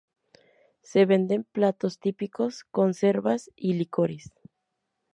Se venden platos típicos, conservas y licores.